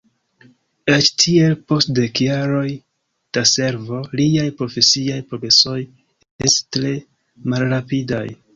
Eĉ tiel, post dek jaroj da servo, liaj profesiaj progresoj estis tre malrapidaj.